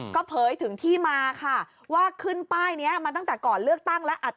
ก็เผยถึงที่มาค่ะว่าขึ้นป้ายนี้มาตั้งแต่ก่อนเลือกตั้งแล้ว